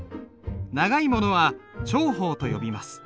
長いものは長鋒と呼びます。